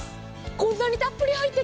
こんなにたっぷり入っていて。